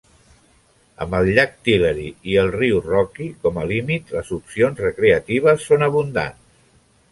Amb el llac Tillery i el riu Rocky com a límits, les opcions recreatives són abundants.